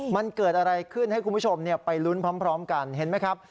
มันเกิดอะไรขึ้นให้คุณผู้ชมไปลุ้นพร้อมกันเห็นไหมครับ